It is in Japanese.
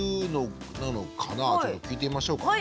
ちょっと聞いてみましょうかね。